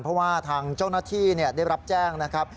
เพราะว่าทางเจ้าหน้าที่ได้รับแจ้งนะครับ